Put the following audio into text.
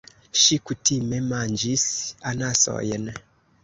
Ŝi kutime manĝis anasojn.